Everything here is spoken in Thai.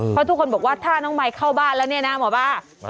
เพราะทุกคนบอกว่าถ้าน้องมายเข้าบ้านแล้วเนี่ยนะหมอบ้า